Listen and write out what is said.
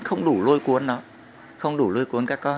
không đủ lôi cuốn nó không đủ lôi cuốn các con